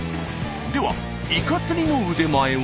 ではイカ釣りの腕前は？